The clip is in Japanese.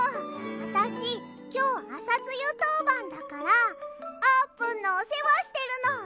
あたしきょうアサツユとうばんだからあーぷんのおせわしてるの！